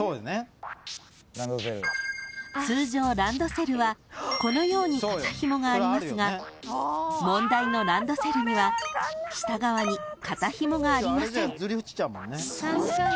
［通常ランドセルはこのように肩ひもがありますが問題のランドセルには下側に肩ひもがありません］